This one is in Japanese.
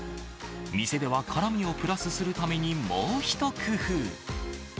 店では辛みをプラスするために、もう一工夫。